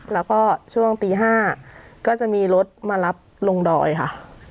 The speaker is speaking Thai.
แล้วก็ช่วงตี๕ก็จะมีรถมารับลงดอยค่ะ